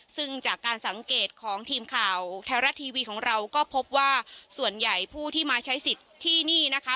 ซึ่งจากการสังเกตของทีมข่าวแท้รัฐทีวีของเราก็พบว่าส่วนใหญ่ผู้ที่มาใช้สิทธิ์ที่นี่นะคะ